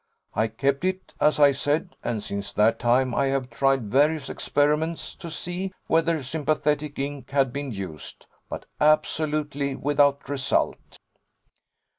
I kept it, as I said, and since that time I have tried various experiments to see whether sympathetic ink had been used, but absolutely without result.